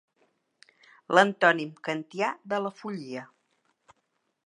L'antònim kantià de la follia.